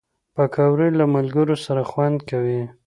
پکورې له ملګرو سره خوند کوي